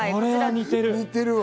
似てるわ。